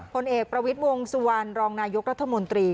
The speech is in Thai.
ผลเอกประวิทย์วงสุวรรณรองนายกรัฐมนตรี